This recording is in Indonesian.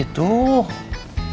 tidak saya mau pergi